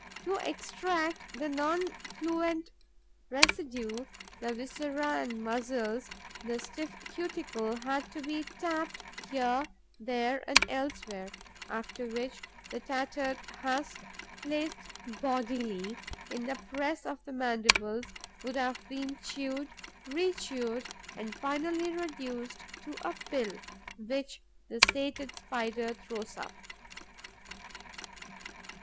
To extract the non fluent residue, the viscera and muscles, the stiff cuticle had to be tapped here, there and elsewhere, after which the tattered husk, placed bodily in the press of the mandibles, would have been chewed, rechewed and finally reduced to a pill, which the sated Spider throws up.